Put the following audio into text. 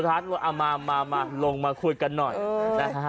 สุดท้ายเอามามามามันลงมาคุยกันหน่อยเออนะฮะ